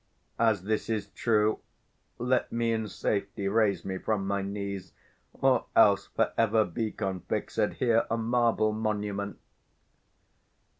As this is true, Let me in safety raise me from my knees; Or else for ever be confixed here, 230 A marble monument!